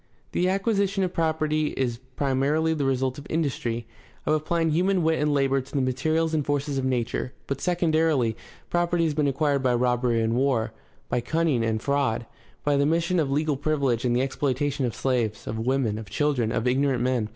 The acquisition of property is primarily the result of industry, of applying human wit and labor to the materials and forces of nature; but, secondarily, property has been acquired by robbery and war, by cunning and fraud, by the mission of legal privilege and the exploitation of slaves, of women, of children, of ignorant men.